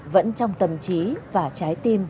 vẫn trong tâm trí và trái tim